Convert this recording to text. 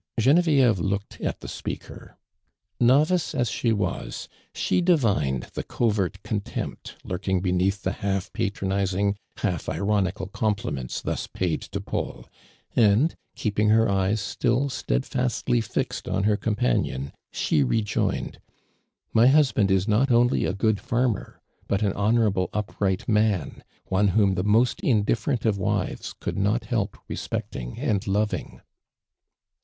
Genevieve looked at the speaker. Novice as she was, she divined the covert contempt lurking beneath the half patronizing, half ironical compliments thus paid to Paul, and, keeping her eyes still steadfastly fixed on her companion, she rejoined : "My husband is not only a good farmer, but an honorable, upright man ; one whom the most inditlerent of wives could not help re3j)ecting and loving."